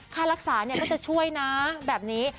ค่ารักษาก็จะช่วยนะแบบนี้